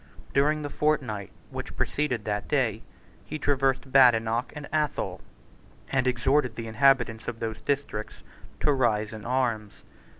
During the fortnight which preceded that day, he traversed Badenoch and Athol, and exhorted the inhabitants of those districts to rise in arms.